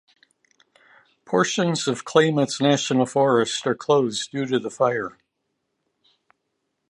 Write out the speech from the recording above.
Portions of Klamath National Forest are closed due to the fire.